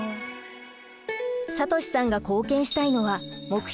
さとしさんが貢献したいのは目標